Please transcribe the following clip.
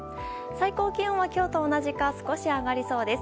最高気温は今日と同じか少し上がりそうです。